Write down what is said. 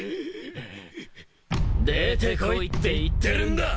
出てこいって言ってるんだ！